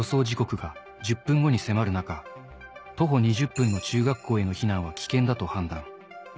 時刻が１０分後に迫る中徒歩２０分の中学校への避難は危険だと判断。